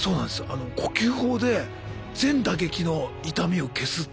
あの呼吸法で全打撃の痛みを消すっていう。